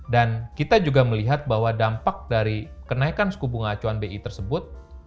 dan kita juga melihat bahwa dampak dari kenaikan suku bunga acuan bi tersebut